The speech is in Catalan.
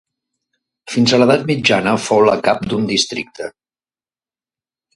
Fins a l'edat mitjana fou la cap d'un districte.